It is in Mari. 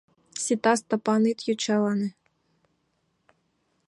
— Сита, Стапан, ит йочалане.